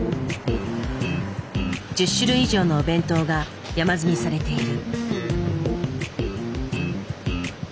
１０種類以上のお弁当が山積みされている。